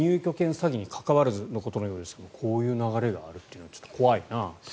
詐欺に関わらずとのことのようですがこういう流れがあるというのはちょっと怖いなと。